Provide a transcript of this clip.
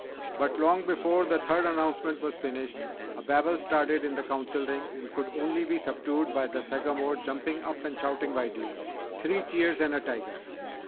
But long before the third announcement was finished a babel started in the Council Ring and could only be subdued by the Sagamore jumping up and shouting wildly: "Three cheers and a tiger!"